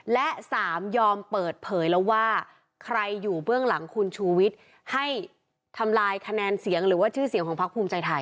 และ๓ยอมเปิดเผยแล้วว่าใครอยู่เบื้องหลังคุณชูวิทย์ให้ทำลายคะแนนเสียงหรือว่าชื่อเสียงของพักภูมิใจไทย